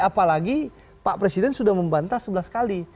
apalagi pak presiden sudah membantah sebelas kali